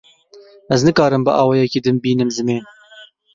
Ez nikarim bi awayekî din bînim zimên.